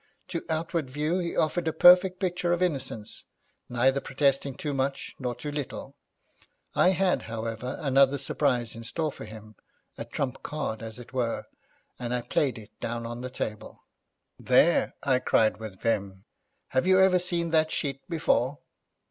To outward view he offered a perfect picture of innocence, neither protesting too much nor too little. I had, however, another surprise in store for him, a trump card, as it were, and I played it down on the table. 'There!' I cried with vim, 'have you ever seen that sheet before?'